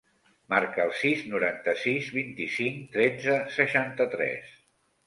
Marca el sis, noranta-sis, vint-i-cinc, tretze, seixanta-tres.